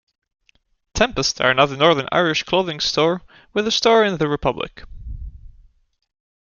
Tempest are another Northern Irish clothing store with a store in the Republic.